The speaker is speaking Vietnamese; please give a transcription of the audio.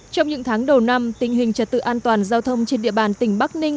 trong những tháng đầu năm tình hình trật tự an toàn giao thông trên địa bàn tỉnh bắc ninh